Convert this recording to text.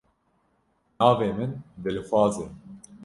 Navê min Dilxwaz e.